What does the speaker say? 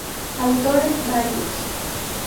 Autores Varios.